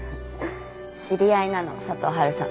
知り合いなの佐藤春さん。